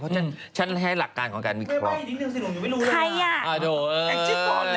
เพราะฉันให้หลักการของการวิเคราะห์